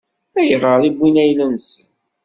Ayɣer i wwin ayla-nsen?